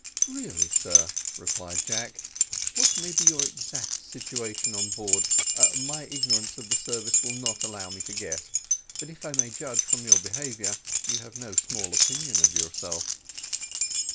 "Really, sir," replied Jack, "what may be your exact situation on board, my ignorance of the service will not allow me to guess, but if I may judge from your behaviour, you have no small opinion of yourself."